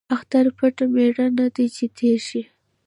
ـ اختر پټ ميړه نه دى ،چې تېر شي.